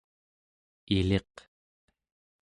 iliq